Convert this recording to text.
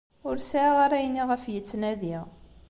Ur sɛiɣ ara ayen i ɣef i yettnadi.